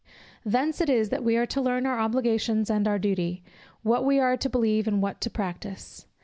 Thence it is that we are to learn our obligations and our duty, what we are to believe and what to practise.